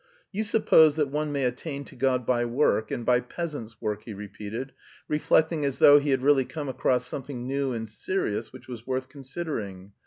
"You suppose that one may attain to God by work, and by peasants' work," he repeated, reflecting as though he had really come across something new and serious which was worth considering.